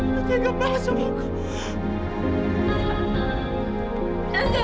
tante engga kelaf semua aku